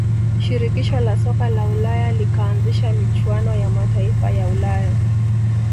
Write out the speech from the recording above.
shirikisho la soka la ulaya likaanzisha michuano ya mataifa ya ulaya